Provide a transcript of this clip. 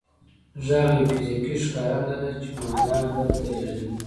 غږ یو فزیکي ښکارنده ده چې معنا بل ته لېږدوي